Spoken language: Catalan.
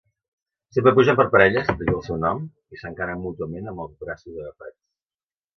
Sempre pugen per parelles, d'aquí el seu nom, i s'encaren mútuament amb els braços agafats.